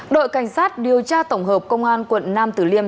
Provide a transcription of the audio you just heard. đội cảnh sát điều tra tổng hợp công an quận nam tử liêm